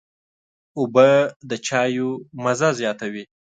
اوبه د چايو مزه زیاتوي.